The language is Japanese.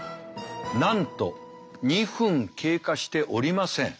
なんと２分経過しておりません。